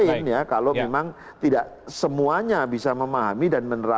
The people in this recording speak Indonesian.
untuk datang berpartisipasi menggunakan hak pilih pada saat hari pemungutan suara